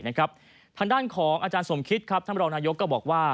ทางด้านของอาจารย์สมคิตท่านบริษัทนายกก็บอกว่า